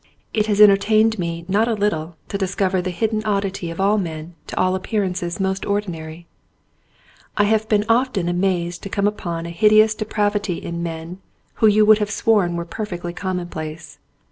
It has entertained me not a little 173 ON A CHINESE SCREEN to discover the hidden oddity of men to all appear ances most ordinary. I have been often amazed to come upon a hideous depravity in men who you would have sworn were perfectly commonplace.